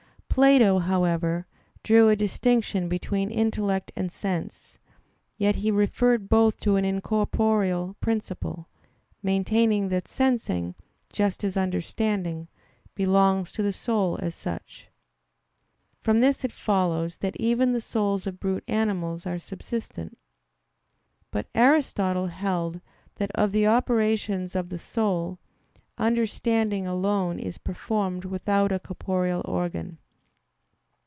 Plato, however, drew a distinction between intellect and sense; yet he referred both to an incorporeal principle, maintaining that sensing, just as understanding, belongs to the soul as such. From this it follows that even the souls of brute animals are subsistent. But Aristotle held that of the operations of the soul, understanding alone is performed without a corporeal organ.